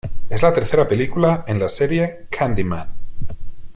Es la tercera película en la serie "Candyman".